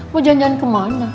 mau jalan jalan kemana